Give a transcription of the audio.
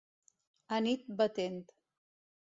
A nit batent.